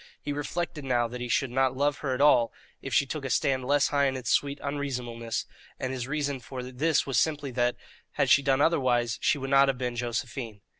He reflected now that he should not love her at all if she took a stand less high in its sweet unreasonableness, and his reason for this was simply that, had she done otherwise, she would not have been Josephine.